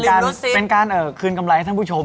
แล้วลืมลูดซิปเป็นการคืนกำไรให้ท่านผู้ชมครับ